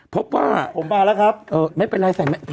พบว่าผมมาแล้วครับไม่เป็นไรใส่ทำตะวัน